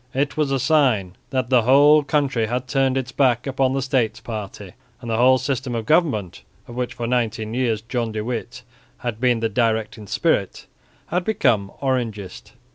It was a sign that the whole country had turned its back upon the States party and the whole system of government of which for nineteen years John de Witt had been the directing spirit, and had become Orangist.